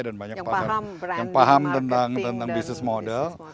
dan banyak yang paham tentang business model